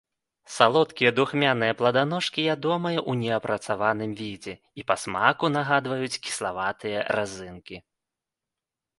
Салодкія духмяныя пладаножкі ядомыя ў неапрацаваным відзе і па смаку нагадваюць кіславатыя разынкі.